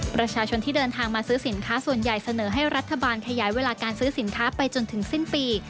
ประชาชนที่เดินทางมาซื้อสินค้าส่วนใหญ่เสนอให้รัฐบาลขยายเวลาการซื้อสินค้าไปจนถึงสิ้นปี